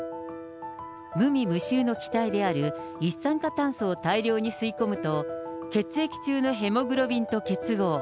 無味無臭の気体である一酸化炭素を大量に吸い込むと、血液中のヘモグロビンと結合。